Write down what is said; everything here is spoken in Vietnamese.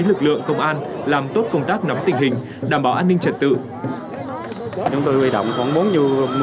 lực lượng công an làm tốt công tác nắm tình hình đảm bảo an ninh trật tự